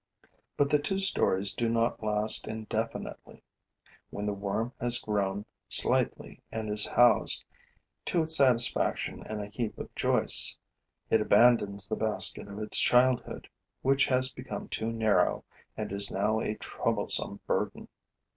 But the two storeys do not last indefinitely. When the worm has grown slightly and is housed to its satisfaction in a heap of joists, it abandons the basket of its childhood, which has become too narrow and is now a troublesome burden.